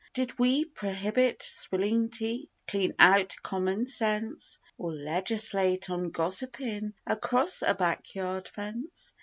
Did we prohibit swillin' tea clean out of common sense Or legislate on gossipin' across a backyard fence?